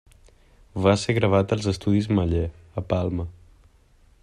Va ser gravat als estudis Maller, a Palma.